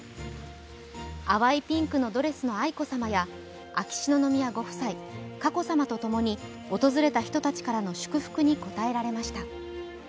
淡いピンクのドレスの愛子さまや秋篠宮ご夫妻、佳子さまとともに訪れた人たちからの祝福に応えられました。